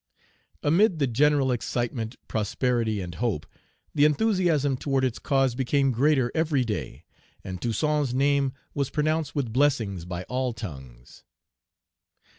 Amid the general excitement, prosperity, and hope, the enthusiasm toward its cause became greater every day, and Toussaint's name was pronounced with blessings by all tongues.